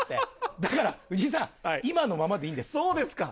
だから藤井さん、今のままでいいそうですか。